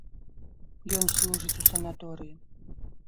Ён служыць у санаторыі.